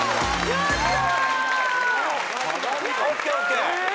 やった！